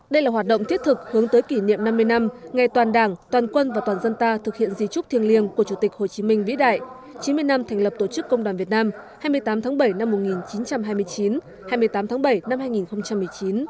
đây là hoạt động thiết thực hướng tới kỷ niệm năm mươi năm ngày toàn đảng toàn quân và toàn dân ta thực hiện di trúc thiêng liêng của chủ tịch hồ chí minh vĩ đại chín mươi năm thành lập tổ chức công đoàn việt nam hai mươi tám tháng bảy năm một nghìn chín trăm hai mươi chín hai mươi tám tháng bảy năm hai nghìn một mươi chín